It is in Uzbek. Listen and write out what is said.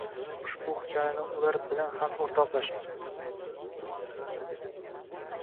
ushbu hikoyani ular bilan ham oʻrtoqlashing.